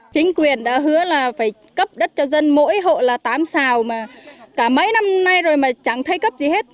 chính quyền đã hứa là phải cấp đất cho dân mỗi hộ là tám xào mà cả mấy năm nay rồi mà chẳng thấy cấp gì hết